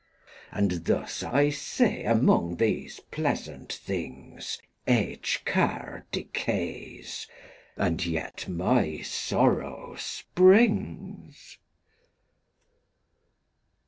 And thus I see among these pleasant things Each care decays, and yet my sorrow springs.